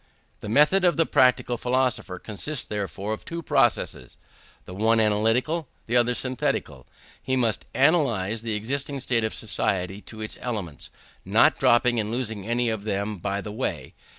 The method of the practical philosopher consists, therefore, of two processes; the one analytical, the other synthetical. He must analyze the existing state of society into its elements, not dropping and losing any of them by the way.